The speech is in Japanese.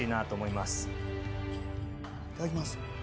いただきます。